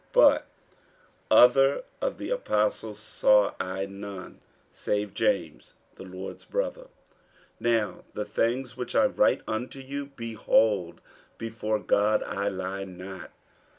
48:001:019 But other of the apostles saw I none, save James the Lord's brother. 48:001:020 Now the things which I write unto you, behold, before God, I lie not.